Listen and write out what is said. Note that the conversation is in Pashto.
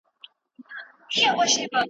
کړي، چي په پایله کي پښتو ژبه هم په همدغو کلونو